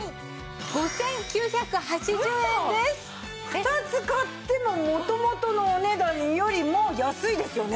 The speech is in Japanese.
２つ買っても元々のお値段よりも安いですよね？